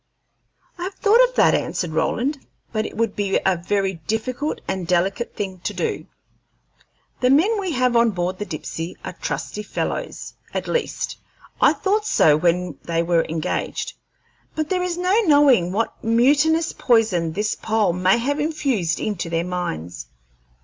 "I have thought of that," answered Roland, "but it would be a very difficult and delicate thing to do. The men we have on board the Dipsey are trusty fellows at least, I thought so when they were engaged but there is no knowing what mutinous poison this Pole may have infused into their minds.